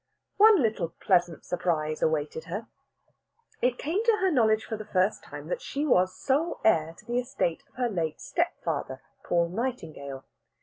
One little pleasant surprise awaited her. It came to her knowledge for the first time that she was sole heir to the estate of her late stepfather, Paul Nightingale.